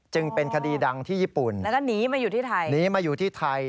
เป็นคดีดังที่ญี่ปุ่นแล้วก็หนีมาอยู่ที่ไทยหนีมาอยู่ที่ไทย